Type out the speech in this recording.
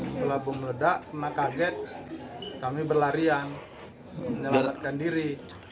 setelah bom meledak kena kaget kami berlarian menyalahkan diri